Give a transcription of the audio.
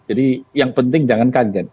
jadi yang penting jangan kaget